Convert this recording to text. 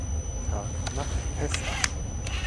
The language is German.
Tag nach Pessach.